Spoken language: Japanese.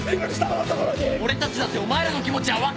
俺たちだってお前らの気持ちは分かってるよ！